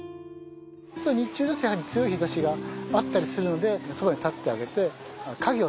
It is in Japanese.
日中だとやはり強い日ざしあったりするのでそばに立ってあげて影を作ってあげる。